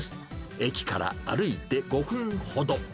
駅から歩いて５分ほど。